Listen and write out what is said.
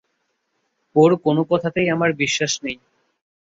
ওর কোন কথাতেই আমার বিশ্বাস নেই।